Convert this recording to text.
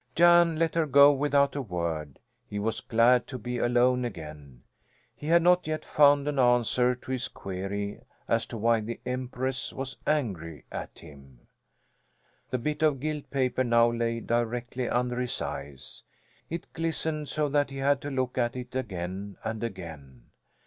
Jan let her go without a word. He was glad to be alone again. He had not yet found an answer to his query as to why the Empress was angry at him. The bit of gilt paper now lay directly under his eyes. It glistened so that he had to look at it again and again.